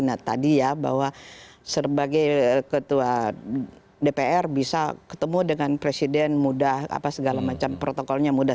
nah tadi ya bahwa sebagai ketua dpr bisa ketemu dengan presiden mudah apa segala macam protokolnya mudah